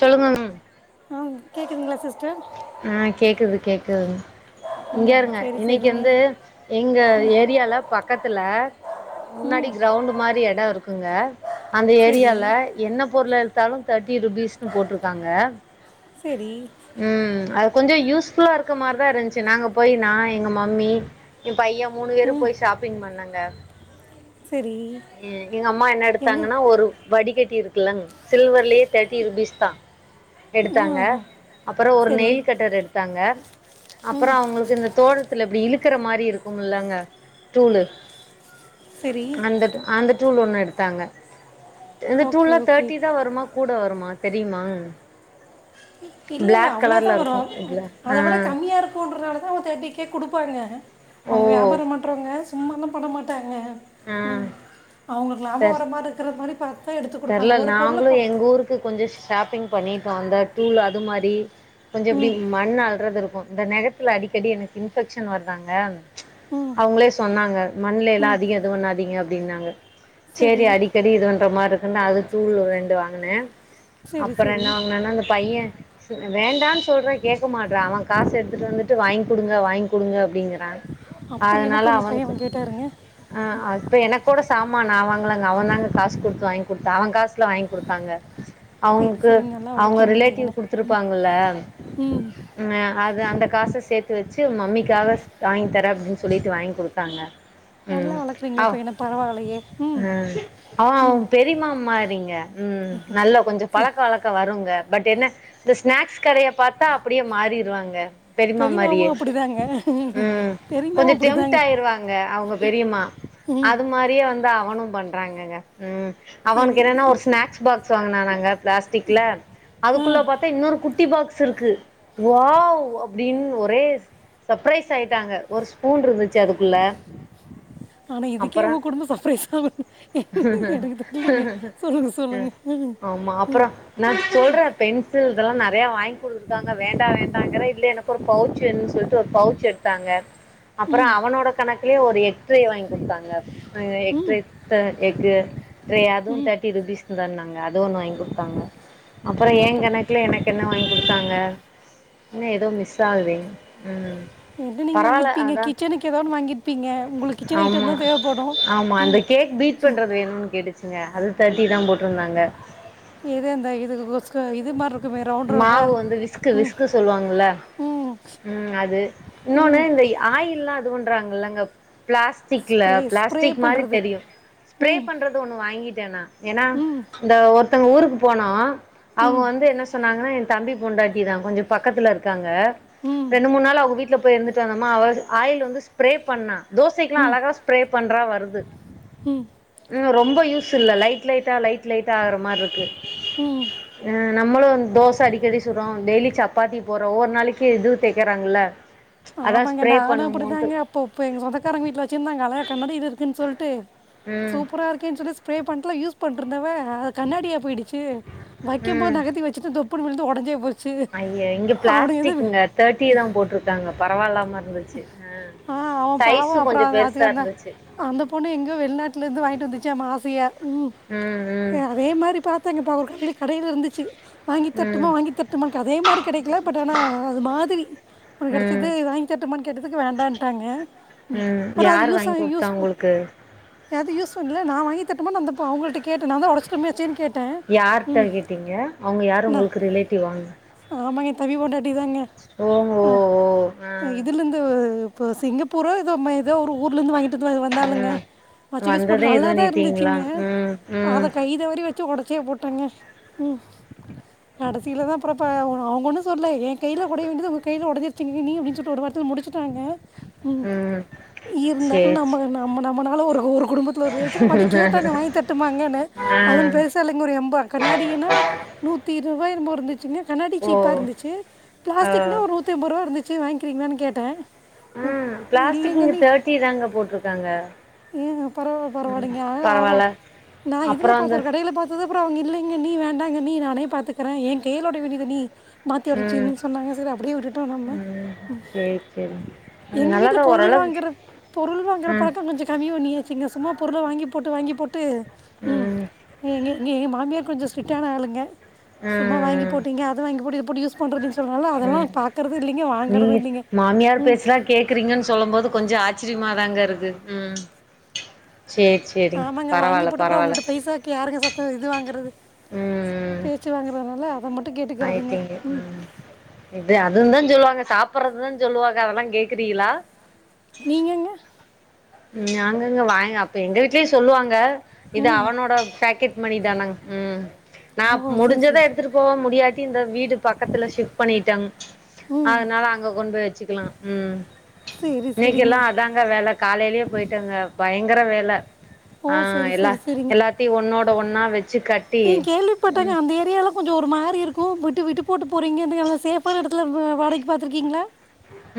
சொல்லுங்க ம் ஆ கேக்குதுங்ளா சிஸ்டர் அ கேக்குது கேக்குதுங் ம் இங்காருங்க சரி இன்னைக்கு சரிங்க வந்து எங்க ஏரியால பக்கத்துல முன்னாடி கிரௌண்ட் மாரி எடோ இருக்குங்க அந்த சரி ஏரியால என்ன பொருளெடுத்தாலு தேட்டி ருபீஸ்னு போட்ருக்காங்க செரி ம் அது கொஞ்சோ யூஸ் ஃபுல்லா இருக்க மாரிதா இருந்ச்சு நாங்க போயி நா எங்க மம்மி எ பைய மூணு பேரு ம் போய் ஷாப்பிங் பண்ணங்க சரி ம் எங்கம்மா என்ன எடுத்தாங்கன்னா ஒரு வடிகட்டி இருக்குல்லங் சில்வர்லயே தேட்டி ருபீஸ்தா எடுத்தாங்க ம் ம். அப்பறோ ஒரு சரி நெயில் கட்டர் எடுத்தாங்க அப்பறோ ம் அவுங்களுக்கு இந்த தோட்டத்துல இப்டி இழுக்கற மாரி இருக்குமில்லங்க டூலு சரி அந்த டு அந்த டூல் ஒண்ணு எடுத்தாங்க இந்த ஓகே டூல்லா ஓகே தேட்டிதா வருமா கூட வருமா தெரியுமா இல்ல இல்ல பிளாக் அவ்ளோதா கலர்ல வரு இருக்கும் இதுல அத ஆ விட கம்மியா இருக் குன்றனால தா அவுங்க தேட்டிக்கே குடுப்பாங்க ஓ அவுங்க வியாபாரம் பண்றவங்க சும்மல்லா பண்ண மாட்டாங்க ஆ ம் அவுங்களுக்கு லாப வர மாரி இருக்க மாரி பா தெர்ல நாங்களு எங்க ஊருக்கு கொஞ்ச ஷாப்பிங் பண்ணிட்டோ அந்த டூல் அது மாரி கொஞ்ச இப்டி ம் மண் அல்றது இருக்கு இந்த நெகத்துல அடிக்கடி எனக்கு இன்ஃபெக்க்ஷன் வருதாங்க ம் அவுங்களே சொன்னாங்க மண்ணல எல்லா அதிக இது பண்ணாதீங்க அப்டின்னாங்க செரி சரி அடிக்கடி இது பண்ற மார்ருக் மின்ன அது தூள் ரெண்டு வாங்கனே சரி அப்பற சரி என்ன வாங்கனனா அந்த பைய வேண்டான் சொல்ற கேக்க மாட்றா அவ காசு எடுத்துட்டு வந்துட்டு வாய்ங் குடுங்க வாய்ங்க் குடுங்க அப்டிங்கறா அப்டி என்னத்த உங்க பைய வ கேட்டாருங்க ஆ இப்ப என கூட சாமா நா வாங்கலங்க அவ தாங்க காஸ் குடு வாய்ங் குடுத்தா அவ காசுல வாய்ங் குடுத்தாங்க செரி அவனுக்கு செரிங்க நல்லா அவங்க வளக்குறீங்க ரிலேட்டிவ் பையன ம் ம் அ அது அந்த காச சேத்து வச்சு மம்மிக்காக வாங்கி தர அப்டின்னு சொல்லிட்டு வாங்கி கொடுத்தாங்க நல்லா வளக்குறீங்ளே பையன பரவாயில்லையே ம் ம் பெரிமா மாரிங்க ம் நல்லா கொஞ்சோ சரி பழக்க வழக்கோ வருங்க பட் என்ன இந்த ஸ்நாக்ஸ் கடைய பாத்தா அப்டியே மாறிருவாங்க பெரிமா மாரியே பெரியம்மாவும் அப்படிதாங்க ம் கொஞ்சோ பெரியம்மாவும் டெம்ட் அப்படிதாங்க ஆயிருவாங் க அவுங்க பெரியம்மா ம் அது மாரியே வந்து அவனும் பண்றாங்கங்க ம் சரி அவனுக்கு என்னன்னா ஒரு சரி ஸ்நாக்ஸ் பாக்ஸ் வாங்கனானாங்க பிளாஸ்டிக்ல ஆ அதுக்குள்ள பாத்தா இன்னொரு குட்டி பாக்ஸ் இருக்கு வாவ் அப்டின் ஒரே சர்ப்ரைஸ் ஆயிட்டாங்க ஒரு ஸ்பூன்ருந்துச்சு அதுக்குள்ள ஆனா இதுக்கே உங்க அப்பறோ குடும்போ சர்பரைஸ் ஆவுது எங்கெடக்குது ஆமா அப்புறோ நா சொல்ற பென்சில் இதெல்லா நறையா வாங்கி குடுத்துருக்காங்க வேண்டா வேண்டாங்கிற இல்ல எனக்கு ஒரு பவுச் வேணுண் சொல்ட்டு ஒரு பவுச் எடு த்தாங்க அப்புறோ ம் அவனோட கணக்குலே ஒரு எக்ட்ரே வாங்கி குடுத்தாங்க அ ம் எக்ட்ரே இத்தன எக்கு ட்ரே அதுவு ம் தேட்டிரூபீஸ் தான்னாங்க அது ஒன்னு வாங்கி குடுத்தாங்க அப்புறோ எ‌ கணக்குல எனக்கு என்ன வாங்கி குடுத்தாங்க என்ன ஏதோ மிஸ் ஆகுதே ம் எப்டியு நீங்க பரவால்ல வாங்கிருப்பீங்க அதா கிச்சனுக்கு ஏதோன்னு வாங்கிருப்பீங்க உங்களுக்கு கிச்சன் ஐட்டம் ஆமா தா தேவப்படு ஆமா அந்த ம் [unintelligible] பண்றது வேணுன் கேட்டுச்சுங்க அது தேட்டி தா போட்ருந்தாங்க எது அந்த இதுக்கு கொஸ்க்கு இது மாரி இரு மாவு வந்து விஸ்க்கு விஸ்க்கு சொல்லுவாங்கள ம் ம் அது இன்னொன்னு ம் இந்த ஆயில்லா இது பண்றாங்கல்லங்க பிளாஸ் டிக்ள ஸ்ப்ரே ஸ்ப்ரே பிளாஸ்டிக்மாரி பண்ணுறது தெரியு ஸ்ப்ரே ம் பண்றது ஒண்ணு வாங்கிட்டேனா எனா ம் ம் இந்த ஒருத்தோங்க ஊருக்கு போனோ அவுங்க ம் வந்து என்ன சொ சொன்னாங்கன்னா எ தம்பி பொண்டாட்டி தா கொஞ்சோ பக்கத்துல இருக்காங்க ரெண்டு மூணு நாள் அவுங்க வீட்ல போய் இருந்துட்டு வந்தோம்மா அவ ஆயில் வந்து ஸ்ப்ரே பண்ணா தோசைக்லா ம் அழகா ஸ்ப்ரே பண்றா வருது ம் ம் ரொம்ப யூஸ் இல்ல லைட் லைட்டா லைட் லைட்டா ஆகுற மார்ருக்கு ம் அ நம்மளு வந் தோச அடிக்கடி சுடுறோ டெய்லி சப்பாத்தி போடுறோ ஒரு நாளைக்கு இது தேக்கறாங்கள ஆமாங்க நானு அப்படிதாங்க அப்போ இப்போ எங்க சொந்தக்காரங்க வீட்ல் வச்சிருந்தாங்க அழ கண்ணாடி இரு இருக்குன் சொல்ட்டு ம் சூப்பரா இருக்கேன் சொல்லி ஸ்ப்ரே பண்ட்லா யூஸ் பண்ட்ருந்தவ அது கண்ணாடியா போயிடுச்சு வைக்கும் போது ம் நகத்தி வச்சுட்ட தொப் புனு விளுந்து ஒடஞ்சே போ அய்ய இங்க பிளாஸ்டிக்ங்க தேர்ட்டி தா போட்ருக்காங்க பரவாயில்லாம இருந்து ச்சு அ ஆ அவன் சைஸு பாவம் அப்புறம் கொஞ்சோ அது அது பெருசா அந்த இருந்துச்சு அந்த பொண்ணு எங்கோ வெள்நாட்ல இருந்து வாங்கிட்டு வந்துச்சாமா ஆசையா ம் ம் ம் அ அதே மாரி பாத் தங்கப்பா ஒரு கடைல கடையில இருந்துச்சு வாங்கி ம் தர்ட்டுமா வாங்கி தர்ட்டுமா எனக் அதே மாரி கெடைக்கல பட் ஆனா அது மாதிரி ஒண்ணு ம் கெடைச்சது வாங்கி தர்ட்டுமானு கேட்டத்துக்கு வேண்டான்ட்டாங்க ம் பட் அது யார் யூஸ்ஸா வாங்கி குடுத்தா யூஸ் உங்களுக்கு எது யூஸ் பண்ல நா வாங்கி தர்ட்டுமான் அந்த அப்ப அவுங்கள்ட்ட கேட்ட நான்தா ஒடச்சுட்டம்மே சேர்னு கேட் யார்ட்ட கேட்டிங்க அவுங்க யார் உங்களுக்கு ரிலேட்டிவ்வா ஆமா எ தம்பி பொண்டாட்டி தாங்க ஓஹோ இதுல இருந்து இப்ப சிங்கப்பூரோ ஏதோ மய் ஏதோ ஒரு ஊர்ல இருந்து வாங்கிட்டு வந்து வந்தாலளுங்க ம் வச்சி யூஸ் வந்ததே பண்றது இது நல்லாதா பண்ணிட்டீங்களா இருந்துச்சிங்க ம் ம் அத கைதவறி வச்சி ஒடச்சே போட்டேங்க ம் கடசியில தா அப்பறப்ப அவுங்க ஒன்னு சொல்லல ஏ கையில ஒடைய வேண்டியது உங்க கையில ஒடஞ்சிருச்சிங்கண்ணி அப்டின்னு சொல் ஒரு வார்த்தேல முடிச்சுட்டாங்க ம் இருந்தாலு சேரி சே நமக்கு நம்ம நம்மனால ஒரு ஒரு குடும்பத்துல ஒரு இதாச்சின்னு மறுடி கேட்டாங்க வாங்கி தரட்டுமாங்கன்னு ஆ அதும் பேச தலைமுறை ரெம்ப கண்ணாடின்னா நூத்தி இருவதுரூவாயோ என்னமோ இருந்துச்சிங்க கண்ணாடி ஓ சீப்பா இருந்துச்சி ஆ பிளாஸ்டிக்னா ஒரு நூத்தி எம்பது ரூவா இருந்துச்சி வாங்கிக்கிறீங்களான்னு கேட்டே ஆ பிளாஸ்டிக் இங்க தேர்ட்டி தாங்க போட்ருக்காங்க ஏங்க பரவால்ல ம் பரவாயில்லைங்க ஆஹா அவ பரவால்ல நா இதுல அப்புறோ பாத்தரு வந்து ஒரு கடையில பாத் அதுக்கு அப்பறோ அவுங்க இல்லைங்க அண்ணி வேண்டாங்க அண்ணி நானே பாத்துக்குறே ஏ கைல ஒடயவேண்டியது அண்ணி மாத்தி ம் ஒரச்சின்னு சொன்னாங்க சரி அப்டியே விட்டுட்டோ நம்ம ம் சேரி சேரி அது எங்க வீட்ல நல்லாதா பொருள் ஓரளவுக்கு வாங்குற பொருள் வாங்குற ம் பழக்கம் கொஞ்சோ கம்மி பண்ணியாச்சிங்க சும்மா பொருள வாங்கி போட்டு வாங்கி போட்டு ம் எங்க இங்க எங்க மாமியார் கொஞ்சோ ஸ்ட்ரிக்ட்டான ஆளுங்க சும்மா வாங்கி ம் போட்டீங்க அத வாங்கி போட்டு இத போட்டு யூஸ் பண்றதுல்ல சொன்னனால அதெல்லா ம் பாக்றது இல்லீங்க வாங்க மாமியார் பேச்சல்லா கேக்குறீங்கன்னு சொல்லும் போது கொஞ்சோ ஆச்சரியமாதாங்க இருக்கு ம் சேரி சேரிங்க ஆமாங்க வாங்கி பரவால்ல போட்டு அப்புறம் பரவால்ல அவங்கள்ட்ட பைசாவுக்கு யாருங்க சத்தோ இது வாங்குறது பேச்சு வாங்குறதுனால அத மட்டு கேட்டு ஆயிடீங்க ம் இது அதுவுந்தா சொல்லுவாங்க சாப்டறதுதா சொல்லுவாக அதெல்லா கேக்குறீகளா நீங்கங்க நாங்கங்க வாங்க அப்ப எங்க வீட்லயு சொல்லுவாங்க இது ம் அவனோட பேக்கெட் மணிதானாங்க ம் நா ஓ சரி முடிஞ்சத சரி எடுத்துட்டு போவே முடியாட்டி இந்த வீடு பக்கத்துல ஷிப்ட் பண்ணிட்டேங்க ம் அதனால அங்க கொண்டு போய் வச்சிக்கலா ம் சேரி சேரிங்க ங்க வேல காலேலயே போயிட்டேங்க பயங்கர வேல ஓ ஆ சரி எல்லா சரி சரிங்க எல்லாத்தயு ஒன்னோட ஒன்னா வச்சி கட்டி ம் கொஞ்சோ ஒரு மாரி இருக்கு விட்டு விட்டு போட்டு போறீங்க இந்த நல்லா சேபான இடத்துல வாடகைக்கு பாத்துருக்கீங்களா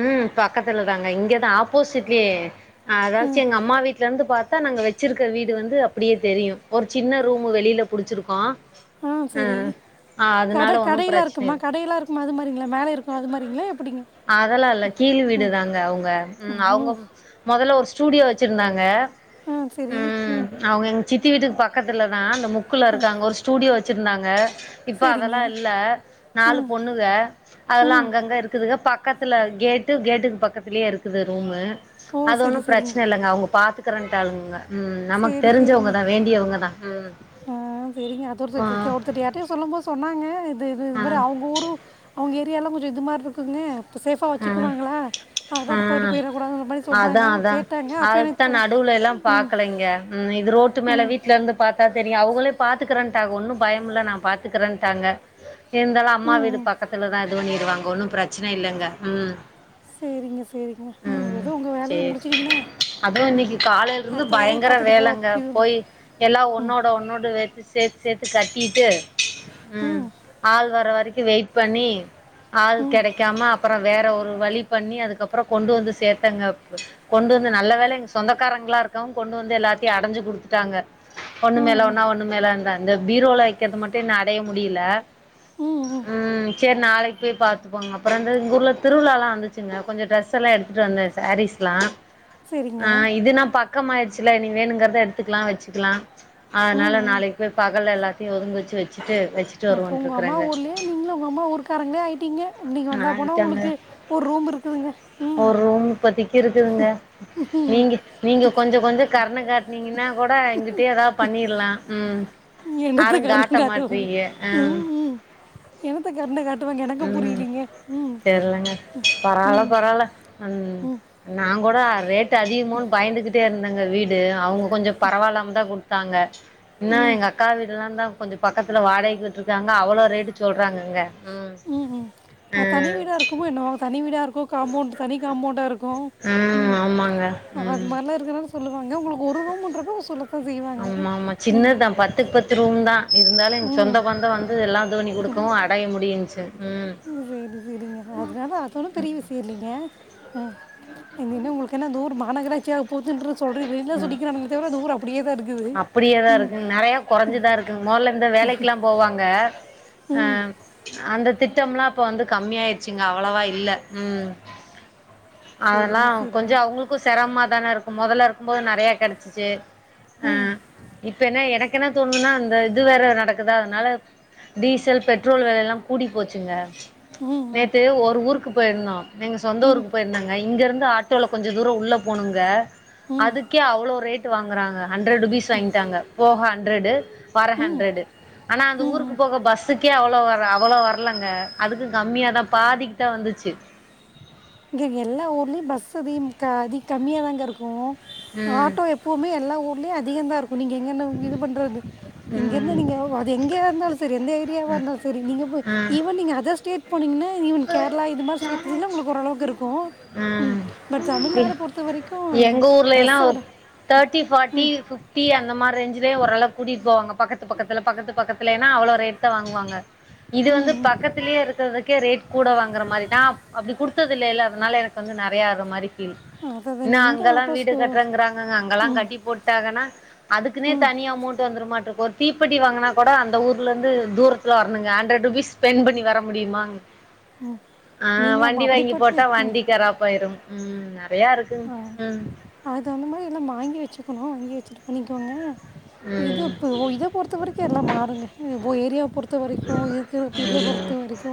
ம் பக்கத்துல தாங்க இங்கதா ஆப்போசிட்லயே அதாச்சு ம் எங்க அம்மா வீட்ல இருந்து பாத் தா நாங்க வச்சிருக்க வீடு வந்து அப்டியே தெரியு ஒரு சின்ன ரூம்மு வெளில புடிச்சிருக்கோ ஆ சேரி ஆ அதனால கட ஒன்னு கடை எல்லா பிரச்சன இருக்குமா இல்ல கடை எல்லா இருக்கு மா அது மாரிங்கள மேல இருக்கு அதுமாரிங்களா எப்டிங்க அதெல்லா இல்ல கீழ் வீடுதாங்க அவுங்க ம் அவுங்க மொதல்ல ஒரு ஸ்டூடியோ வச்சிருந்தாங்க ஆ செரி ம் அவுங்க எங்க சித்தி வீட்டுக்கு பக்கத்துலதா அந்த முக்குல இருக்காங்க ஒரு ஸ்டூடியோ வச்சிருந்தாங்க இப்ப சரிங்க அதெல்லா இல்ல நாலு ம் பொண்ணுக அதெல்லா ம் அங்கங்க இருக்குதுக பக் கத்துல கேட்டு கேட்டுக்கு பக்கத்திலயே இருக்குது ரூமு ஓ அது ஒன்னு சரி சரிங்க பிரச்சனை இல்லங்க அவுங்க பாத்து கிறேன்டாளுங்க ம் நமக்கு சரி சரிங்க தெரிஞ்சவங்கதா வேண்டியவங்கதா ம் ஆ இவரு யார்ட்டையோ சொல்லும் போது சொன்னாங்க இது இது இது ஆ மாரி அவுங்க ஊரு அவுங்க ஏரியாலா கொஞ்சோ இது மாரி இருக்குங்க சேஃபா ஆ வச்சிக்குவாங்களா அவுங்க ஆ பாட்டு போட்டு போயிறக்கூடாது அந்த மாரி சொன்னாங்க கேட்டாங்க அப்ப எனக்கு தா தோ நடுவுல எல்லா ம், பாக்கலைங்க இது ரோட்டு மேல ம், வீட் ல இருந்து பாத்தா தெரியு அவங்களே பாத்துக்கறேன்ட்டாங்க ஒன்னும் பயம் இல்ல நா பாத்துக்கறன்ட்டாங்க இருந்தாலு அம்மா ம், வீடு ம். பக்கத்துலதா இது பண்ணிருவாங்க ஒன்னும் பிரச்சனை இல்லங்க ம் சேரிங்க சேரிங்க ம் ஏதோ உங்க வேலையை முடிச்சுட்டீங்ன்ன அதுவு இன்னைக்கி காலைல இருந்து பயங்கர போ வேலங்க அப்டின்டு. போய் எல்லா ம், ஒன்னோட ஒன்னோட வெச் சேத்து சேத்து கட்டிட்டு ம் ஆள் வர வரைக்கு வெயிட் பண்ணி ஆள் ம், கெடைக்காம அப்பற வேற ஒரு வழி பண்ணி அதுக்கப்பறோ கொண்டு வந்து சேத்தங்கப்பு கொண்டு வந்து நல்ல வேல எங்க சொந்தக்காரங்களா இருக்காவு கொண்டு வந்து எல்லாத்தையு அடஞ்சு குடுத்துட்டாங்க ஒண்ணு ம், மேல ம், ஒன்னா ஒண்ணு மேல இந்தா அந்த பீரோல வெக்கிறது மட்டும் இன்னு அடைய முடியல ம் செர் நாளைக்கு போய் பாத்துப்போங்க அப்பறன் எங்க ஊர்ல திருவிழாலா வந்துச்சுங்க கொஞ்சோ டிரரெஸ் எல்லா எடுத்துட்டு வந்த சேரீஸ்ல்லா சரிங்க. ஆ இதுன்னா பக்கம்மாயிடுச்சுல இனி வேணுங்கிறத எடுத்துக்லா வச்சுக்லா ம், அதனால ம். நாளைக்கு போய் பகல்ல எல்லாத்தையு ஒதுங்க வெச்சு வெச்சிட்டு வெச் அப்போ உங்க அம்மா ஊர்லையே நீங்களு உங்க அம்மா ஊர்க்காரங்களே ஆயிட்டீங்க நீங்க வந்தா போனா ஆயிட்டாங்க உங்ளுக்கு ஒரு ரூம் இருக்குதுங்க ம் ஒரு ரூம் இப்பத்திக்கு இருக்குதுங்க நீங்க நீங்க கொஞ்சோ கொஞ்சோ கருண காட்டனீங்கன்னா கூட இங்கிட்டயே ஏதாவது பண்ணிர்லா ம் என்னத்தை ஆரும் கருணை காட்ட காட்டுவாங்க மாட்றீக ஹ ம் ம் என்னத்த கருண காட்டுவாங்க எனக்கு ம் புரியலீங்க ம் தெர்லங்க பரவால்ல ம் பரவால்ல ம் நாங்கூட ரேட்டு அதிகமோன் பயந்துகிட்டே இருந்தங்க வீட் டு அவங்க கொஞ்சம் பரவால்லாம்தா குட்த்தாங்க இன்னு ம் எங்க அக்கா வீடல்லாந்த கொஞ்சம் பக்கத்துல வாடகைக்கு விட்டு இருக்காங்க அவ்வளோ ரேட்டு சொல்றாங்கங்க ம் ம் உம் ஆ அது தனி வீடா இருக்குமோ என்னவோ தனி வீடா இருக்கோ காம்பௌவ்ண்ட் தனிக் காம்பௌவ்ண்ட்டா இருக்கு ம் ஆமாங்க அது ம் மார்லா இருக்கனால சொல்லுவாங்க உங்களுக்கு ஒரு ரூம்முன்றப்போ சொல்லு ஆம்மாம்மா சின்னதா பத்துக்கு பத்து ரூம் தா இருந்தாலு எங் ம் சொந்த பந்தோ வந் து எல்லா இதுபண்ணிகொடுக்கவு அடைய முடியுஞ்சு ம் செரி செரிங்க அதனால அதொன்னு பெரிய விஷயோ இல்லிங்க இனி எ என்ன உங்ளுக்கு என்ன தூர் மாநகராட்சியா போதுன்ற சொல்ற வெளியில சொல்லிக்கிறாங்க தவிர அந்த ஊர் அப்படியே தா இருக்குது ம் கொறைஞ்சுதா இருக்கு மொதல்ல இந்த வேலைக்கெல்லா போவாங்க அ ம் அந்த திட்டம்லா இப்ப வந்து கம்மியாயிருச்சுங்க அவ்வளவா இல்ல ம் அதல்லா சரிங்க கொஞ்ச சரிங்க அவங்களுக்கு சிரமமாதானே இருக்கு மொதல்ல இருக்கும்போது நெறைய கெடச்சிச்சு ஆ ம் இப்ப என்ன எனக்கு என்ன தோணுதுன்னா அந்த இது வேற நடக்குதா அதனால டீசல் பெட்ரோல் வெலையெல்லா கூடி போச்சுங்க ம் ம் நேத்து ஒரு ஊருக்கு போயிருந்தோ எங்க சொந்த ம் ஊருக்கு போயிருந்தோங்க இங்க இருந்து ஆட் டோல கொஞ்ச தூரோ உள்ள போனுங்க ம் அதுக்கே அவ்ளோ ரேட் வாங்கறாங்க ஹண்ட்ரட் ருபீஸ் வாங்கிட்டாங்க போக ஹண்ட்ர்ட்டு வர ம் ஹண்ட்ர்ட்டு ஆனா அந்த ம் ஊருக்கு ம் போக பஸ் ஸுக்கே அவ்வளோ வர அவ்வளோ வரலங்க அதுக்கு கம்மியா தா பாதிக்கு தா வந்துச்சு இங்க எல்லா ஊர்லையு பஸ் அதிம் அதிக கம்மியா தாங்க இருக்கு ம் ஆட்டோ எப்போமே எல்லா ஊர்லையு அதிக தா இருக்கு நீங்க எங்கனா இது பண்றது இங்க இருந்து ம் நீங்க அது எங்கயா இருந்தாலு சரி எந்த ஏரியாவா இருந்தா சரி நீங்க ஆ ஈவன் நீங்க அதர் ஸ்டேட் போனீங்கன்னா ஈவன் கேரளா இது மாரி ஸ்டேட்லல்லா உங்களுக்கு ஓரளவுக்கு இருக்கு ஆ ம் பட் தமிழ்நாடு பொருத்த வரைக் எங்க ஊர்லையெல்லா ஒரு தேர்ட்டி பார்ட்டி இருக்கு டீ அந்த மாரி ரேஞ்சிலே ஓரளவு கூட்டிட்டு போவாங்க பக்கத்து பக்கத்துல பக்கத்து பக்கத்துலேன்னா அவ்ளோ ரேட்து வாங்குவாங்க இது ம் வந்து ம் பக்கத்தலயே இருக்கறதுக்கே ரேட் கூட வாங்கற மாரி தா அப்டி குடுத்ததில்லேல்ல அதனால எனக்கு வந்து நறையா ஒரு மாரி ஃபீல் அதான் நா இங்கே அங்கெல்லா வீடு ஆட்டோஸ்க்கு கட்டறங்கிறாங்கங்க அங்கெல்லா ம் கட்டி போட்டாங்கன்னா அதுக்குனே ம் தனி அமௌண்ட் வந்துருமாட்டுக்கு ஒர் தீப்பெட்டி வாங்னா கூட அந்த ஊர்லருந்து தூரத்துல வரணுங்க ஹண்ட்ரட் ருபீஸ் ஸ்பெண்ட் பண்ணி வர முடியுமா ஆ நீங்கள் அப்போ வண்டி வாங்கி அப்படிப்பட்டு போட்டா ம் வண்டி கிராப்பாயிரும் ம் நறையாருக்ங் ம் அது தகுந்த மாரியெல்லா வாங்கி வச்சுக்கணு வாங்கி வெச்சுட்டு பண்ணிக்கோங்க ம் இதுப்பு இது பொறுத்தவரைக் கிய எல்லா மாறுங்க இப்போ ஏரியா பொறுத்த வரைக்கு இத் து இது பொறுத்த ம் வரைக்கு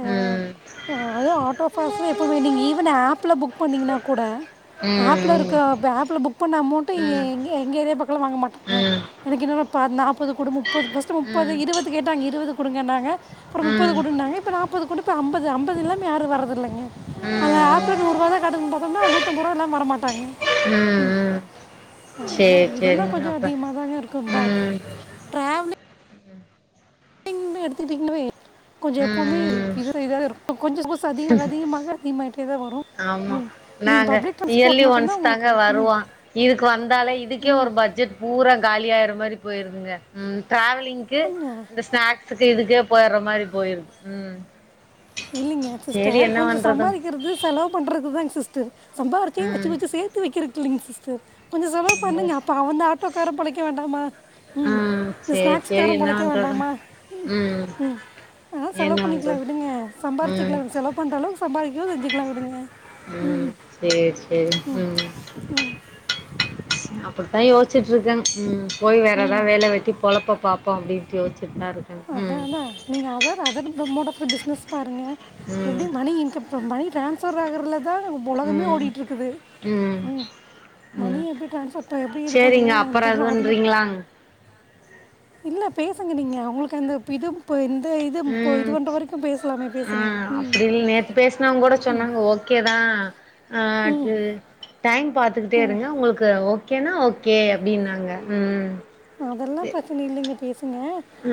அ ம் அ அதுவு ஆட்டோ ஃபாஸ்மே எப்பவுமே ஈவன் ஆப்ல புக் பண்ணீங்கன்னா கூட ம் ஆப்லருக் ம் து ஆப்ல புக் பண்ண அமவுண்ட்டு எங்க எங்க ஏரியா பக்கல வாங்க ம் மாட்டாங்க ம் எனக்கு என்னவோ பா நாற்பது குடு முப்பது ஃபஸ்ட்டு முப்பது இருவது கேட்டாங்க இருவது குடுங்கன்னாங்க அப்றோ முப்பது ம் குடுன்னாங்க இப்ப நாப்பது குடுப்ப அம்பது அம்பது இல்லாம யாரு வரது இல்லைங்க அத ம் ஆப்ல நூறு ரூபா தா காட்டுதுங்பா அ நூத்தம்பது ரூபா இல்லாம வர மாட்டாங்க ம் அதனால சேரி இதலா சேரிங்க கொஞ்சே அப்ப அதிக மாதாங்க இருக்கு பேட் ம் ம் ட்ராவலிங் எடுத்துட்டீங்கனவை கொஞ்சோ எப்பவுமே ம் இதற இதாருக்கு கொஞ்சோ சப்போஸ் அதிகமாக அதிகமாக அதிகேமாயிட்டேதா வரு ஆமா நாங்க இயர்லி ஒன்ஸ் மட்டும்தான் தாங்க உங்களுக்கு ம் வருவோ இதுக்கு வந்தாலே இதுக்கே ஒரு பட்ஜெட் பூரா காலியாயிற மாரி போயிருந்துங்க ம் டிராவலிங்க்கு கொஞ்சம் இந்த ஸ்நாக்ஸ் துக்கே இதுக்கே போயர்ற மாரி போயிரு ம் இல்லிங்க சேரி சிஸ்டர் என்ன கொஞ்சோ பண்றது சம்பாதிக்கறது செலவு பண்றதுதாங்க சிஸ்டர் சம்பாரிச்சி வச்சு ம் வச்சு சேத்து வைக்கிரதுல்லீங்க சிஸ்டர் கொஞ்சோ செலவு பண்ணுங்க அப்ப அவந்தா ஆட்டோக்காரன் பொழைக்க வேண்டாமா ம் இந்த சேரி ஸ்நாக்ஸ் சேரி காரே என்ன பொழைக்க பண்றது வேண்டாமா ம் ஆ செலவு என்ன பண்ணிக்கலா பண்றது விடுங்க ம் சம்பாரிச்சுக்கல செலவு பண்ற அளவு சம்பதிக்கவு செஞ்சுக்கலா விடுங்க ம் ம் [unintelligible] ம் அப்படித்தா யோசிட்டுருக்கே போய் வேற வேலையெல்லா வெட்டி பொழப்ப பாப்போம் அப்டின்னுட்டு யோச்சின்னு அதா அதா நீங்க அதர் அதர்னு ப்ரோ மோட் ஆப் பிசினஸ் பாருங்க ம் எப்டி மணி இன்கம் இப்ப மணி ட்ரான்ஸ்ஃபர் ஆகறல தா இப்போ ஒலகமே ம் ஓடிகிட்ருக்குது ம் மணி ம் எப்டி ட்ரான்ஸ்பர் எ எப்டி இது சேரிங்க பண்ணுவோ அது அப்பறோ இது பண்றோ அது மாரி பண்றீங்களா இல்ல பேசுங்க நீங்க உங்களுக்கு அந்த ப் இதுப் இப்போ இந்த இது இப்போ இது ம் பண்ணுற வரைக்கும் பேசலாமே ஆ பேசுங்க ம் அப்டின்னு நேத்து பேசனவங்கூட சொன்னாங்க ஓக் கே தா ஆ ம் அது டைம் பாத்துக்கிட்டே ம் இருங்க உங்களுக்கு ஓ கேனா ஓகே அப்டின்னாங்க ம் அதெல்லா பிரச்சனை இல்லீங்க பேசுங்க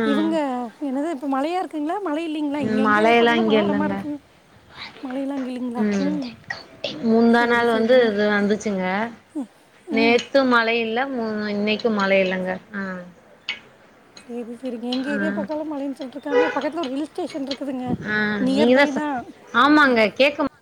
ம் இவுங்க என்னது இப்ப மழையாரு த்தீங்ளா மழையில்லையிங்ளே இங்கே எங்க ஏரியாவ மழையெல்லா பக்கோம்லா இங்க மழ வர மாரி இல்லங்க இருக்குங்க மழையெல்லா அங்குல்லீங்ளா ம் முந்தா சரி நாள் வந்து சரிங்க இது வந்துச்சுங்க ம் நேத்து மழ இல்ல ம் இன்னைக்கும் மழ இல்லங்க ஆ செரி செரிங்க எங்க ஆ ஏரியா பக்கோலா மழைன்னு சொல்லிட்டுருக்காங்க பக்கத்துல ஒரு ஹில் ஸ்டேஷன் இருக்குதுங்க ஆ நீங்க நியர் பை ச தா ஆமாங்க கேக்க